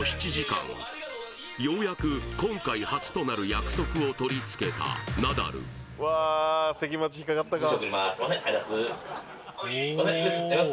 ようやく今回初となる約束を取り付けたナダルありがとうございます